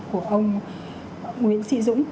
của ông nguyễn sĩ dũng